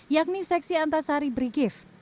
yakni seksi satu antasari brikip